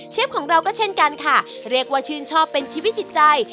ของเราก็เช่นกันค่ะเรียกว่าชื่นชอบเป็นชีวิตจิตใจ